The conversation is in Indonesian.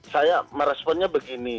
saya meresponnya begini